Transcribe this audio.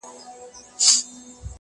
یو کور د مېلمنو د پاره درلود